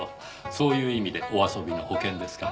そういう意味でお遊びの保険ですか。